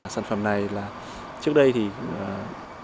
sản phẩm này là trước đây thì trung quốc